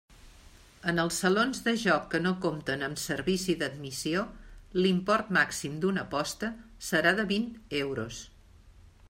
En els salons de joc que no compten amb servici d'admissió l'import màxim d'una aposta serà de vint euros.